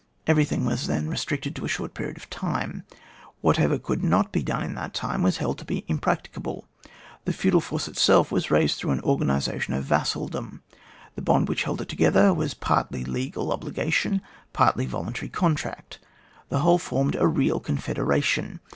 Everything was then re stricted to a short period of time ; what ever could not be done in that time was held to be impracticable. The feudal force itself was raised through an organ isation of yassaldom; the bond which held it together was partly legal obliga tion, partly a voluntary contract; the whole formed a real confederation.